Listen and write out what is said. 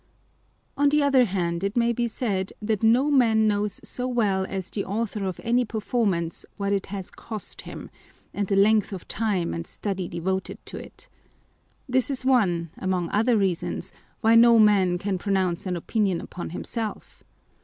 On the other hand, it may be said that no man knows so well as the author of any performance what it has cost him, and the length of time and study devoted to it. This is one, among other reasons, why no man can pro nounce an opinion upon himself.